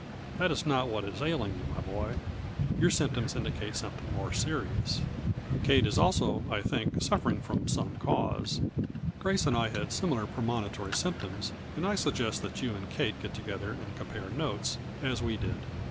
That is not what is ailing you, my boy. Your symptoms indicate something more serious. 222 A FLURRY IN DIAMONDS. " Kate is also, I think, suffering from some cause. Grace and I had similar premonitory symptoms, and I suggest that you and Kate get together and compare notes, as we did.